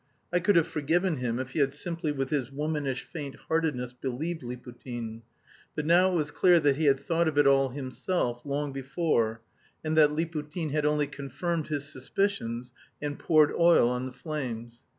I could have forgiven him if he had simply with his womanish faint heartedness believed Liputin, but now it was clear that he had thought of it all himself long before, and that Liputin had only confirmed his suspicions and poured oil on the flames.